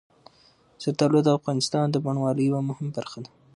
زردالو د افغانستان د بڼوالۍ یوه مهمه برخه ده.